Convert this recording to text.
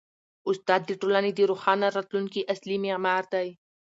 استاد د ټولني د روښانه راتلونکي اصلي معمار دی.